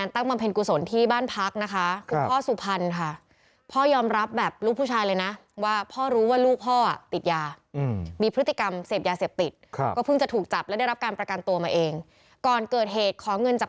แต่ว่าเขาขาวเที่ยวดุนเขาเที่ยวมาก